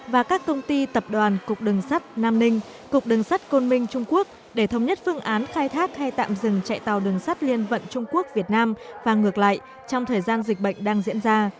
và các công ty tập đoàn cục đường sắt nam ninh cục đường sát côn minh trung quốc để thống nhất phương án khai thác hay tạm dừng chạy tàu đường sắt liên vận trung quốc việt nam và ngược lại trong thời gian dịch bệnh đang diễn ra